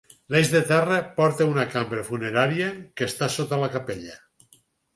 L'eix de terra porta a una cambra funerària que està sota de la capella.